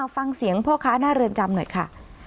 ฟังเสียงพ่อค้าหน้าเรือนจำหน่อยค่ะ